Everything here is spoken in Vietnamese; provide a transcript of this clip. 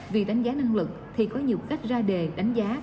vì đánh giá năng lực thì có nhiều cách ra đề đánh giá